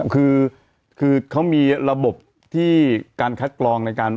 คือเขามีระบบที่การคัดกรองในการ